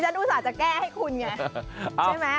ฉันอุตส่าห์จะแก้ให้คุณไง